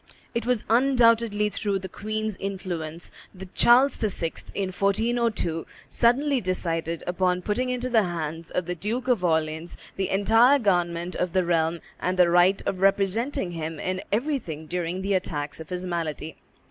It was undoubtedly through the queen's influence that Charles VI., in 1402, suddenly decided upon putting into the hands of the Duke of Orleans the entire government of the realm and the right of representing him in everything during the attacks of his malady.